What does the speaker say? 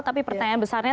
tapi pertanyaan besarnya